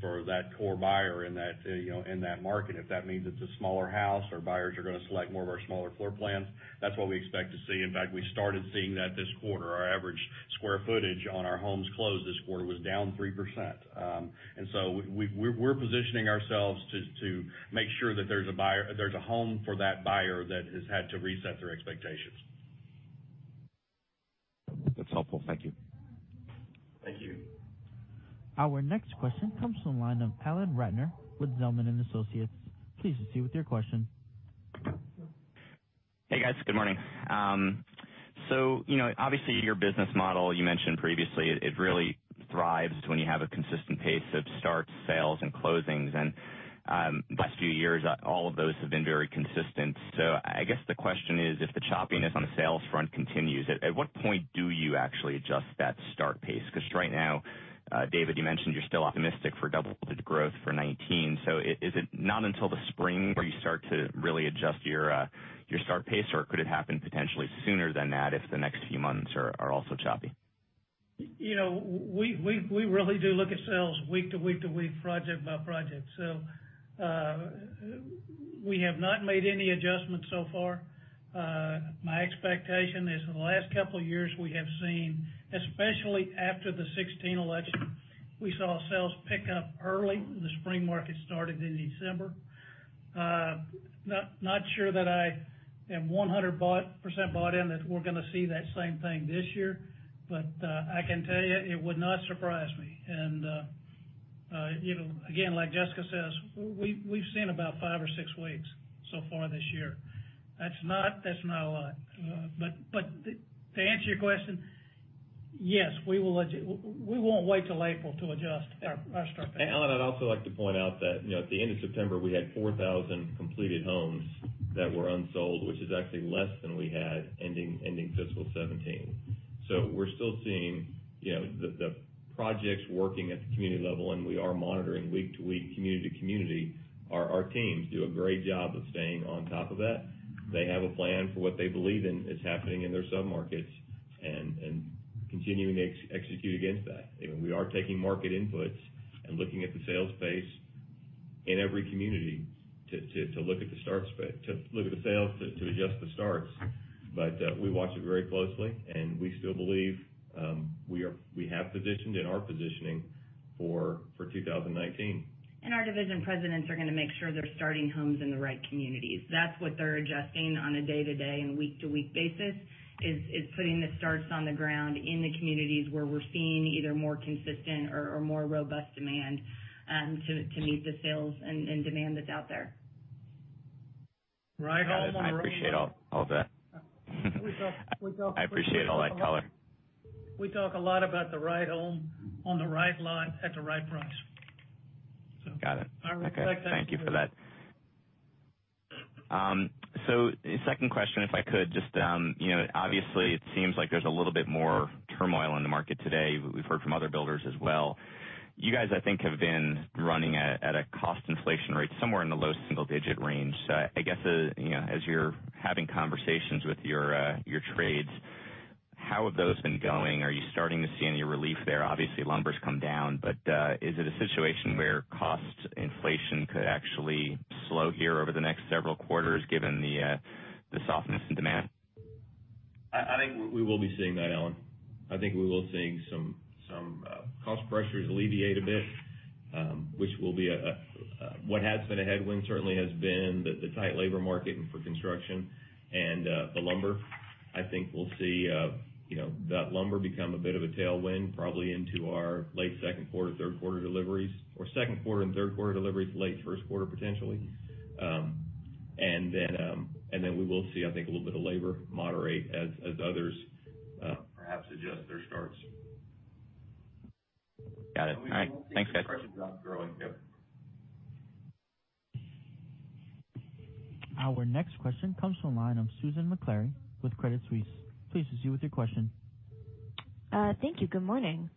for that core buyer in that market. If that means it's a smaller house or buyers are going to select more of our smaller floor plans, that's what we expect to see. In fact, we started seeing that this quarter. Our average square footage on our homes closed this quarter was down 3%. We're positioning ourselves to make sure that there's a home for that buyer that has had to reset their expectations. That's helpful. Thank you. Thank you. Our next question comes from the line of Alan Ratner with Zelman & Associates. Please proceed with your question. Hey, guys. Good morning. Obviously, your business model, you mentioned previously, it really thrives when you have a consistent pace of starts, sales, and closings. The last few years, all of those have been very consistent. I guess the question is if the choppiness on the sales front continues, at what point do you actually adjust that start pace? Because right now, David, you mentioned you're still optimistic for double-digit growth for 2019. Is it not until the spring where you start to really adjust your start pace, or could it happen potentially sooner than that if the next few months are also choppy? We really do look at sales week to week to week, project by project. We have not made any adjustments so far. My expectation is in the last couple of years we have seen, especially after the 2016 election, we saw sales pick up early. The spring market started in December. Not sure that I am 100% bought in that we're going to see that same thing this year, but I can tell you it would not surprise me. Again, like Jessica says, we've seen about five or six weeks so far this year. That's not a lot. To answer your question, yes, we won't wait till April to adjust our start date. Alan, I'd also like to point out that at the end of September, we had 4,000 completed homes that were unsold, which is actually less than we had ending fiscal 2017. We're still seeing the projects working at the community level, and we are monitoring week to week, community to community. Our teams do a great job of staying on top of that. They have a plan for what they believe in is happening in their sub-markets and continuing to execute against that. We are taking market inputs and looking at the sales pace in every community to look at the sales to adjust the starts. We watch it very closely, and we still believe we have positioned and are positioning for 2019. Our division presidents are going to make sure they're starting homes in the right communities. That's what they're adjusting on a day-to-day and week-to-week basis, is putting the starts on the ground in the communities where we're seeing either more consistent or more robust demand to meet the sales and demand that's out there. Right. Got it. I appreciate all of that. I appreciate all that color. We talk a lot about the right home on the right lot at the right price. Got it. I respect that. Okay. Thank you for that. Second question, if I could just Obviously, it seems like there's a little bit more turmoil in the market today. We've heard from other builders as well. You guys, I think, have been running at a cost inflation rate somewhere in the low single-digit range. I guess as you're having conversations with your trades, how have those been going? Are you starting to see any relief there? Obviously, lumber's come down, but is it a situation where cost inflation could actually slow here over the next several quarters, given the softness in demand? I think we will be seeing that, Alan. I think we will seeing some cost pressures alleviate a bit. What has been a headwind certainly has been the tight labor market and for construction and the lumber. I think we'll see that lumber become a bit of a tailwind probably into our late second quarter, third quarter deliveries, or second quarter and third quarter deliveries, late first quarter potentially. Then we will see, I think, a little bit of labor moderate as others perhaps adjust their starts. Got it. All right. Thanks, guys. Growing, yep. Our next question comes from the line of Susan Maklari with Credit Suisse. Please proceed with your question. Thank you. Good morning.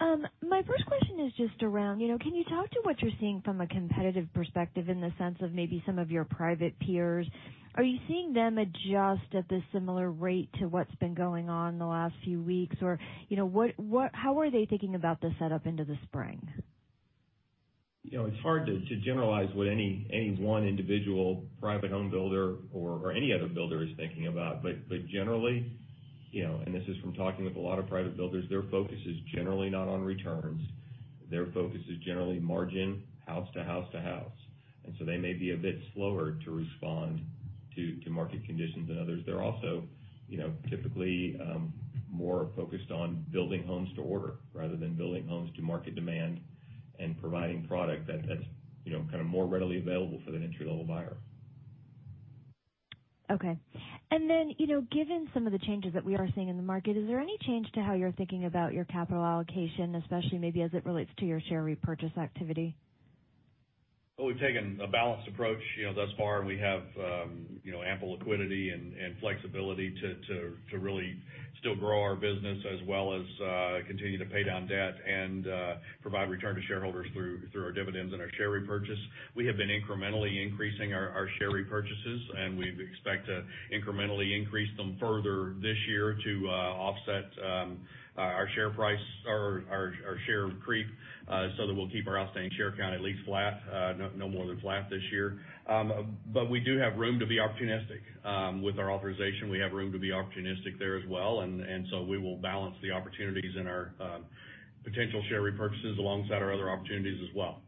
My first question is just around can you talk to what you're seeing from a competitive perspective in the sense of maybe some of your private peers? Are you seeing them adjust at the similar rate to what's been going on the last few weeks? Or how are they thinking about the setup into the spring? It's hard to generalize what any one individual private home builder or any other builder is thinking about. Generally, and this is from talking with a lot of private builders, their focus is generally not on returns. Their focus is generally margin, house to house to house. They may be a bit slower to respond to market conditions than others. They're also typically more focused on building homes to order rather than building homes to market demand and providing product that's more readily available for that entry-level buyer. Okay. Given some of the changes that we are seeing in the market, is there any change to how you're thinking about your capital allocation, especially maybe as it relates to your share repurchase activity? Well, we've taken a balanced approach thus far, and we have ample liquidity and flexibility to really still grow our business as well as continue to pay down debt and provide return to shareholders through our dividends and our share repurchase. We have been incrementally increasing our share repurchases, and we expect to incrementally increase them further this year to offset our share creep so that we'll keep our outstanding share count at least flat, no more than flat this year. We do have room to be opportunistic. With our authorization, we have room to be opportunistic there as well, we will balance the opportunities in our potential share repurchases alongside our other opportunities as well.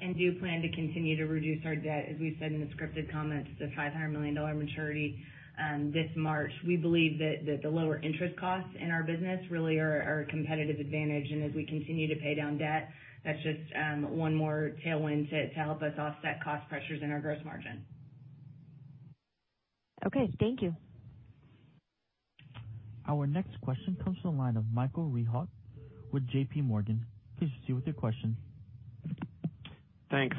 Do plan to continue to reduce our debt, as we said in the scripted comments, the $500 million maturity this March. We believe that the lower interest costs in our business really are a competitive advantage, and as we continue to pay down debt, that's just one more tailwind to help us offset cost pressures in our gross margin. Okay, thank you. Our next question comes from the line of Michael Rehaut with JPMorgan. Please proceed with your question. Thanks.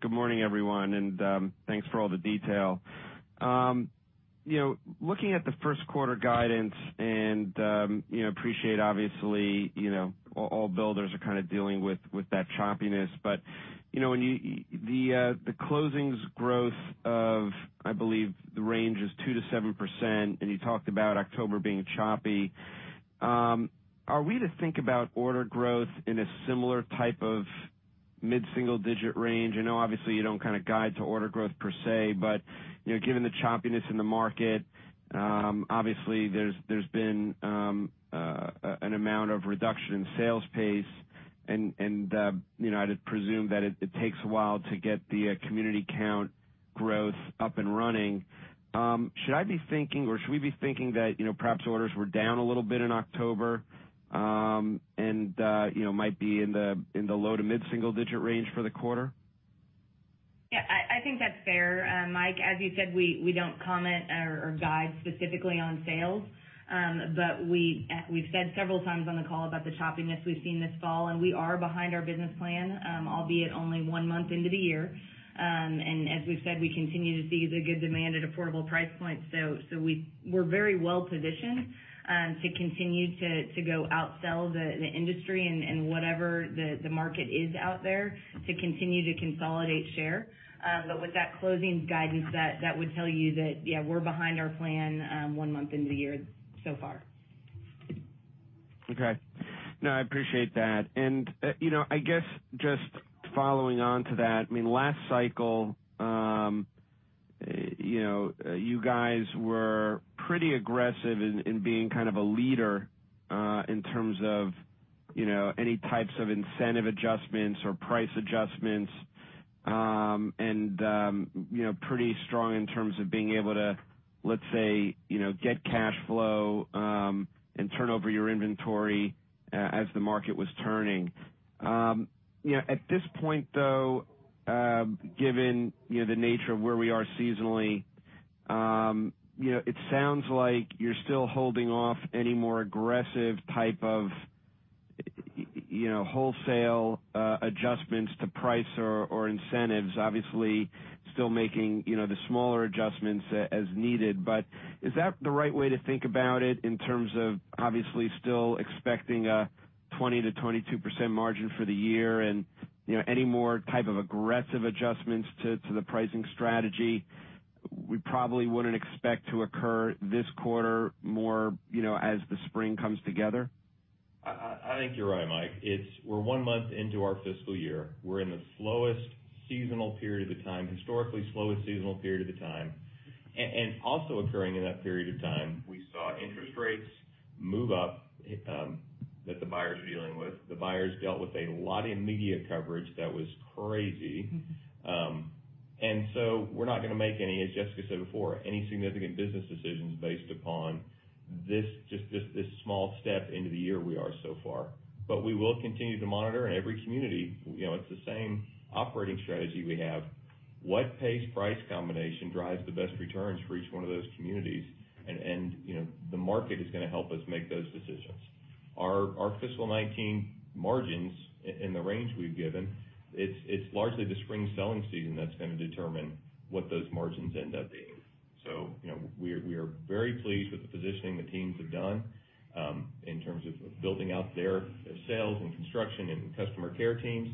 Good morning, everyone. Thanks for all the detail. Looking at the first quarter guidance and appreciate, obviously, all builders are kind of dealing with that choppiness. The closings growth of, I believe the range is 2%-7%, and you talked about October being choppy. Are we to think about order growth in a similar type of mid-single-digit range? I know obviously you don't kind of guide to order growth per se. Given the choppiness in the market, obviously there's been an amount of reduction in sales pace, and I'd presume that it takes a while to get the community count growth up and running. Should I be thinking, or should we be thinking that perhaps orders were down a little bit in October, and might be in the low to mid-single digit range for the quarter? I think that's fair, Mike. As you said, we don't comment or guide specifically on sales. We've said several times on the call about the choppiness we've seen this fall, and we are behind our business plan, albeit only one month into the year. As we've said, we continue to see the good demand at affordable price points. We're very well-positioned to continue to go out-sell the industry and whatever the market is out there to continue to consolidate share. With that closings guidance, that would tell you that we're behind our plan one month into the year so far. Okay. No, I appreciate that. I guess just following on to that, last cycle you guys were pretty aggressive in being kind of a leader in terms of any types of incentive adjustments or price adjustments, and pretty strong in terms of being able to, let's say, get cash flow and turn over your inventory as the market was turning. At this point, though, given the nature of where we are seasonally, it sounds like you're still holding off any more aggressive type of wholesale adjustments to price or incentives. Obviously, still making the smaller adjustments as needed. Is that the right way to think about it in terms of obviously still expecting a 20%-22% margin for the year, and any more type of aggressive adjustments to the pricing strategy we probably wouldn't expect to occur this quarter more as the spring comes together? I think you're right, Mike. We're one month into our fiscal year. We're in the slowest seasonal period of the time, historically slowest seasonal period. Also occurring in that period of time, we saw interest rates move up that the buyer's dealing with. The buyers dealt with a lot of media coverage that was crazy. We're not going to make any, as Jessica said before, any significant business decisions based upon just this small step into the year we are so far. We will continue to monitor in every community. It's the same operating strategy we have. What pace price combination drives the best returns for each one of those communities? The market is going to help us make those decisions. Our fiscal 2019 margins in the range we've given, it's largely the spring selling season that's going to determine what those margins end up being. We are very pleased with the positioning the teams have done in terms of building out their sales and construction and customer care teams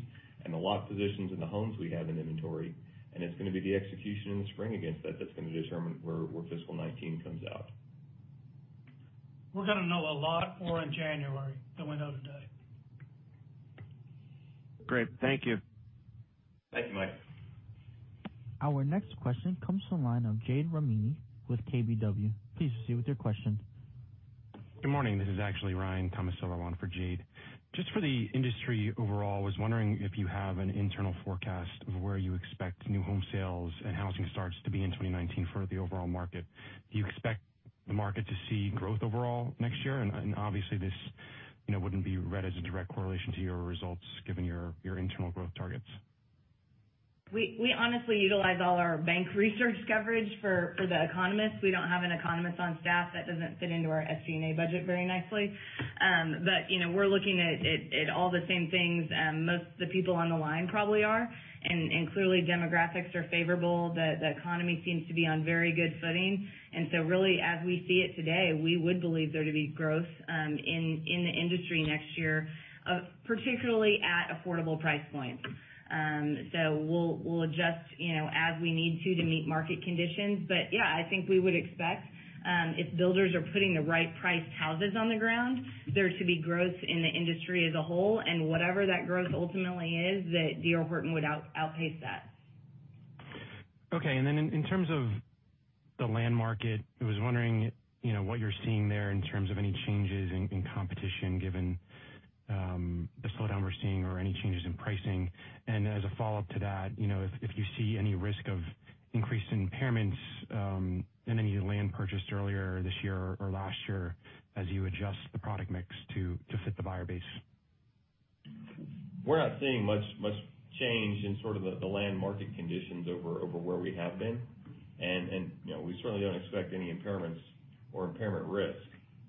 and the lot positions in the homes we have in inventory, and it's going to be the execution in the spring against that that's going to determine where fiscal 2019 comes out. We're going to know a lot more in January than we know today. Great. Thank you. Thank you, Mike. Our next question comes from the line of Jade Rahmani with KBW. Please proceed with your question. Good morning. This is actually Ryan Tomasello for Jade. Just for the industry overall, I was wondering if you have an internal forecast of where you expect new home sales and housing starts to be in 2019 for the overall market. Do you expect the market to see growth overall next year? Obviously this wouldn't be read as a direct correlation to your results given your internal growth targets. We honestly utilize all our bank research coverage for the economists. We don't have an economist on staff. That doesn't fit into our SG&A budget very nicely. We're looking at all the same things most of the people on the line probably are, clearly demographics are favorable. The economy seems to be on very good footing, really, as we see it today, we would believe there to be growth in the industry next year, particularly at affordable price points. We'll adjust as we need to meet market conditions. Yeah, I think we would expect, if builders are putting the right-priced houses on the ground, there to be growth in the industry as a whole, whatever that growth ultimately is, D.R. Horton would outpace that. Okay, in terms of the land market, I was wondering what you're seeing there in terms of any changes in competition given the slowdown we're seeing or any changes in pricing. As a follow-up to that, if you see any risk of increased impairments in any land purchased earlier this year or last year as you adjust the product mix to fit the buyer base. We're not seeing much change in sort of the land market conditions over where we have been. We certainly don't expect any impairments or impairment risk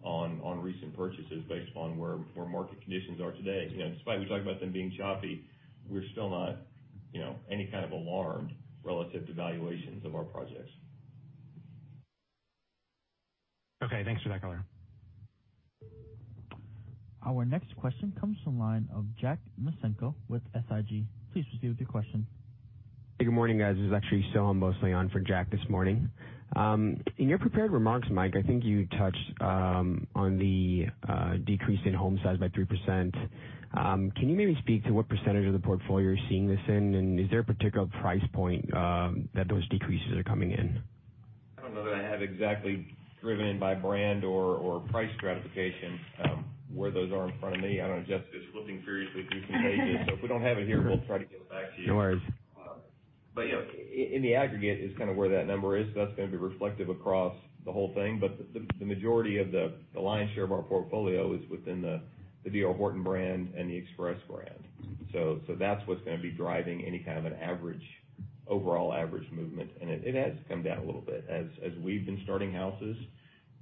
on recent purchases based upon where market conditions are today. Despite we talk about them being choppy, we're still not any kind of alarmed relative to valuations of our projects. Okay. Thanks for that color. Our next question comes from the line of Jack Micenko with SIG. Please proceed with your question. Good morning, guys. This is actually Soham Bhonsle on for Jack this morning. In your prepared remarks, Mike, I think you touched on the decrease in home size by 3%. Can you maybe speak to what percentage of the portfolio you're seeing this in, and is there a particular price point that those decreases are coming in? I don't know that I have exactly driven by brand or price stratification where those are in front of me. I know Jessica's flipping furiously through some pages. If we don't have it here, we'll try to get it back to you. No worries. In the aggregate is kind of where that number is, that's going to be reflective across the whole thing. The majority of the lion's share of our portfolio is within the D.R. Horton brand and the Express brand. That's what's going to be driving any kind of an overall average movement, and it has come down a little bit as we've been starting houses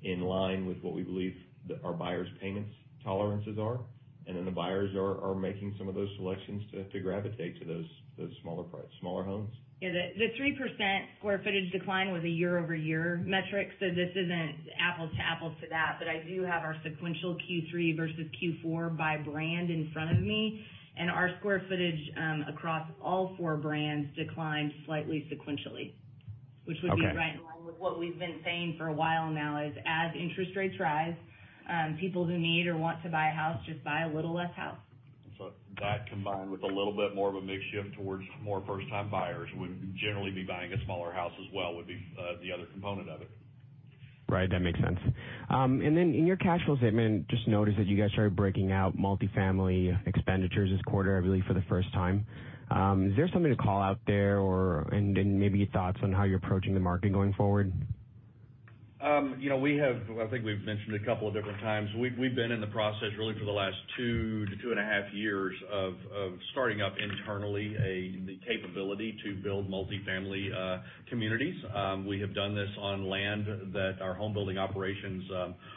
in line with what we believe our buyers' payments tolerances are, and then the buyers are making some of those selections to gravitate to those smaller homes. The 3% square footage decline was a year-over-year metric, this isn't apples to apples to that. I do have our sequential Q3 versus Q4 by brand in front of me, and our square footage across all four brands declined slightly sequentially. Okay. Which would be right in line with what we've been saying for a while now is as interest rates rise, people who need or want to buy a house just buy a little less house. That combined with a little bit more of a mix shift towards more first-time buyers who would generally be buying a smaller house as well would be the other component of it. Right. That makes sense. Then in your cash flow statement, just noticed that you guys started breaking out multi-family expenditures this quarter, I believe, for the first time. Is there something to call out there, and maybe your thoughts on how you're approaching the market going forward? I think we've mentioned a couple of different times. We've been in the process really for the last two to two and a half years of starting up internally the capability to build multi-family communities. We have done this on land that our home building operations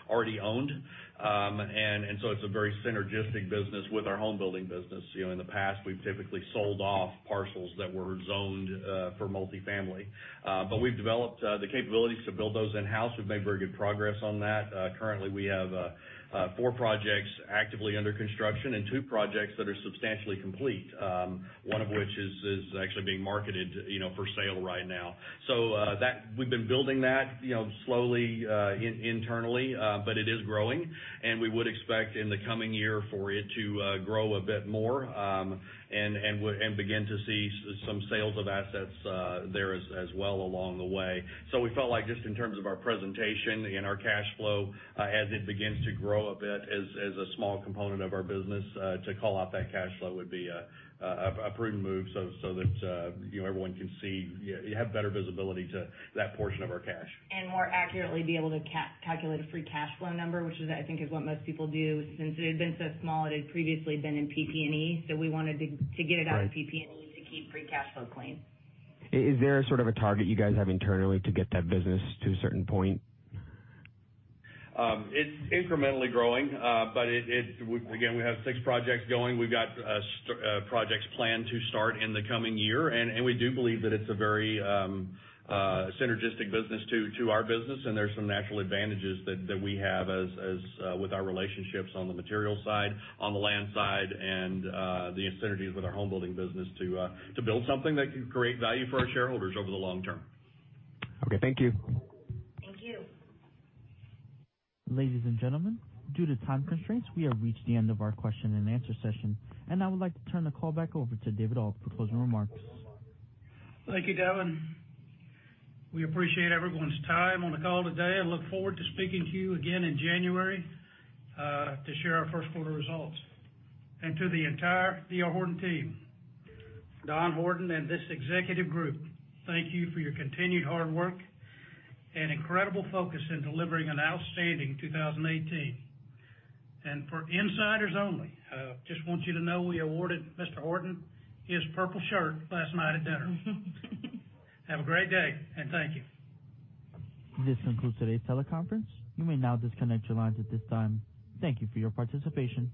already owned, so it's a very synergistic business with our home building business. In the past, we've typically sold off parcels that were zoned for multi-family. We've developed the capabilities to build those in-house. We've made very good progress on that. Currently, we have four projects actively under construction and two projects that are substantially complete. One of which is actually being marketed for sale right now. We've been building that slowly internally, but it is growing, and we would expect in the coming year for it to grow a bit more, and begin to see some sales of assets there as well along the way. We felt like just in terms of our presentation and our cash flow as it begins to grow a bit as a small component of our business, to call out that cash flow would be a prudent move so that everyone can see, have better visibility to that portion of our cash. More accurately be able to calculate a free cash flow number, which is, I think, is what most people do. Since it had been so small, it had previously been in PP&E. Right Out of PP&E to keep free cash flow clean. Is there a sort of a target you guys have internally to get that business to a certain point? It's incrementally growing. We have six projects going. We've got projects planned to start in the coming year. We do believe that it's a very synergistic business to our business. There's some natural advantages that we have with our relationships on the material side, on the land side, and the synergies with our homebuilding business to build something that can create value for our shareholders over the long term. Okay. Thank you. Thank you. Ladies and gentlemen, due to time constraints, we have reached the end of our question and answer session. I would like to turn the call back over to David Auld for closing remarks. Thank you, Devin. We appreciate everyone's time on the call today. I look forward to speaking to you again in January to share our first quarter results. To the entire D.R. Horton team, Don Horton, and this executive group, thank you for your continued hard work and incredible focus in delivering an outstanding 2018. For insiders only, just want you to know we awarded Mr. Horton his purple shirt last night at dinner. Have a great day, and thank you. This concludes today's teleconference. You may now disconnect your lines at this time. Thank you for your participation.